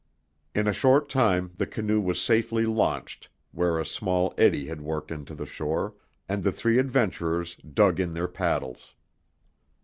In a short time the canoe was safely launched where a small eddy had worked into the shore, and the three adventurers dug in their paddles.